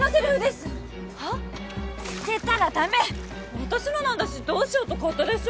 私のなんだしどうしようと勝手でしょ。